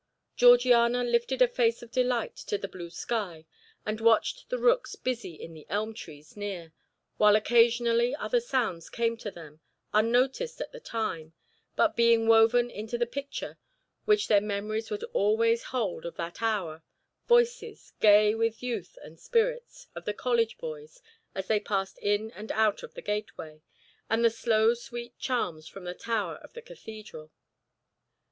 Georgiana lifted a face of delight to the blue sky, and watched the rooks busy in the elm trees near, while occasionally other sounds came to them, unnoticed at the time, but being woven into the picture which their memories would always hold of that hour, voices, gay with youth and spirits, of the college boys as they passed in and out of their gateway, and the slow sweet chimes from the tower of the Cathedral.